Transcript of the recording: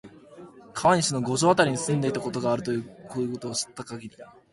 川西の五条あたりに住んでいたことがあるということを知ったり、